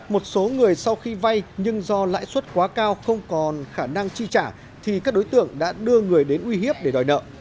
một số người sau khi vay nhưng do lãi suất quá cao không còn khả năng chi trả thì các đối tượng đã đưa người đến uy hiếp để đòi nợ